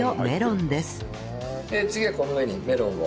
次はこの上にメロンを。